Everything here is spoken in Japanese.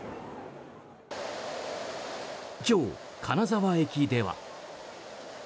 今日、金沢駅では。